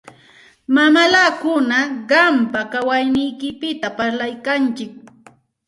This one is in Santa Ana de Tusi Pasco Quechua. Mamallakuna qampa kawayniykipita parlaykanku.